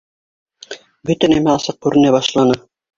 Бөтә нәмә асыҡ күренә башланы.